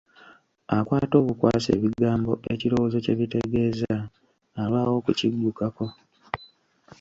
Akwata obukwasi ebigambo, ekirowoozo kye bitegeza, alwawo okukiggukako.